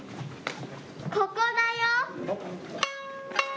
ここだよ。